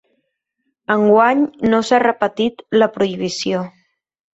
Enguany no s’ha repetit la prohibició.